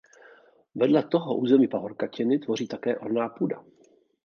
Vedle toho území pahorkatiny tvoří také orná půda.